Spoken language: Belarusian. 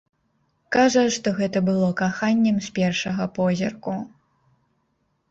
Кажа, што гэта было каханнем з першага позірку.